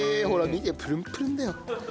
ほら見てプルンプルンだよ。